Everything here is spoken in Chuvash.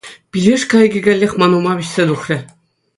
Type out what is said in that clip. Пилеш кайӑкӗ каллех ман ума вӗҫсе тухрӗ.